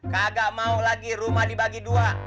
kagak mau lagi rumah dibagi dua